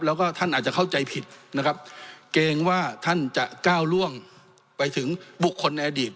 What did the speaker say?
แล้วก็ท่านอาจจะเข้าใจผิดนะครับเกรงว่าท่านจะก้าวล่วงไปถึงบุคคลในอดีต